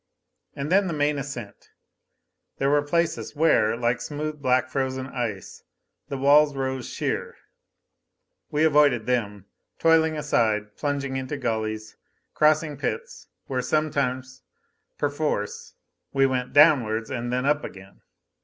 And then the main ascent. There were places where, like smooth black frozen ice, the walls rose sheer. We avoided them, toiling aside, plunging into gullies, crossing pits where sometimes, perforce, we went downwards, and then up again.